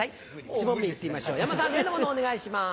１問目いってみましょう山田さん例のものお願いします。